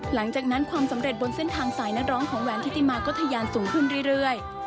หลังจากนั้นความสำเร็จบนเส้นทางสายนักร้องของแหวนทิติมาก็ทะยานสูงขึ้นเรื่อย